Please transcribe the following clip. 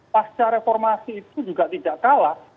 pasca reformasi itu juga tidak kalah